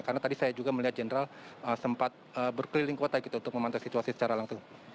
karena tadi saya juga melihat general sempat berkeliling kota gitu untuk memantau situasi secara langsung